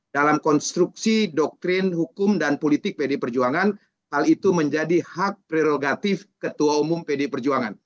dalam konstruksi doktrin hukum dan politik pd perjuangan hal itu menjadi hak prerogatif ketua umum pd perjuangan